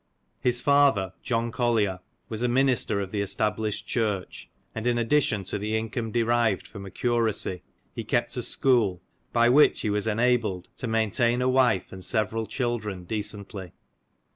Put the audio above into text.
His father, John Collier, was a minister of the established church, and in addition to the income derived from a curacy, he kept a school, by which he was enabled to maintain a wife and several children decently.